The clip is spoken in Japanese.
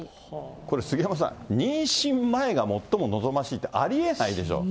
これ、杉山さん、妊娠前が最も望ましいってありえないでしょう。